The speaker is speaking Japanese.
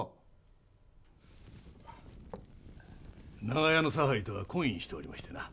長屋の差配とは懇意しておりましてな。